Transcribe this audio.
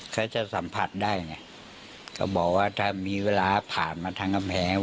เขาจะสัมผัสได้ไงก็บอกว่าถ้ามีเวลาผ่านมาทางกำแพง